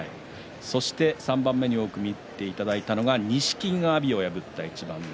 そして３番目に多く見ていただいたのは錦木が阿炎を破った一番です。